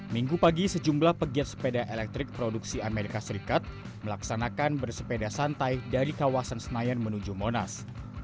minggu pagi sejumlah pegiat sepeda elektrik produksi amerika serikat melaksanakan bersepeda santai dari kawasan senayan menuju monas